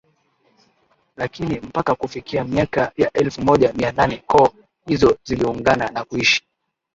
Lakini mpaka kufikia miaka ya elfu moja Mia nane koo hizo ziliungana na kuishi